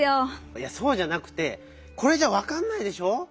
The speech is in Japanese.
いやそうじゃなくてこれじゃわかんないでしょ？